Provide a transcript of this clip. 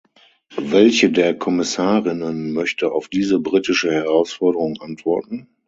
Welche der Kommissarinnen möchte auf diese britische Herausforderung antworten?